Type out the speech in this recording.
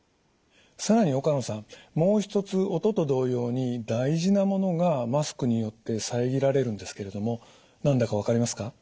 更に岡野さんもう一つ音と同様に大事なものがマスクによって遮られるんですけれども何だか分かりますか？